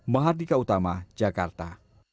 mahardika utama jakarta